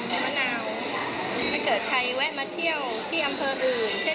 ถ้าเกิดใครแวะมาเที่ยวที่อำเภออื่น